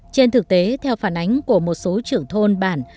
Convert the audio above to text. trên thực tế theo phản ánh của một số trưởng thôn bản